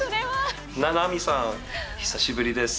菜波さん、久しぶりです。